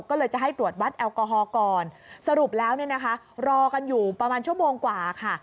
ก็เลยจะให้ตรวจวัดแอลกอฮอล์ก่อนสรุปแล้วเนี่ยนะคะรอกันอยู่ประมาณชั่วโมงกว่าค่ะ